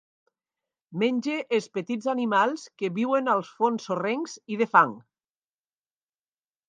Menja els petits animals que viuen als fons sorrencs i de fang.